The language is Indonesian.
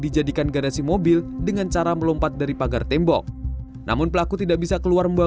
dijadikan garasi mobil dengan cara melompat dari pagar tembok namun pelaku tidak bisa keluar membawa